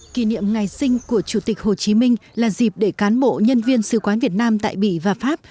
kỷ niệm ngày sinh của chủ tịch hồ chí minh là dịp để cán bộ nhân viên sứ quán việt nam tại bỉ và pháp